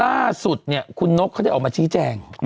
ล่าสุดเนี่ยคุณนกเขาได้ออกมาชี้แจง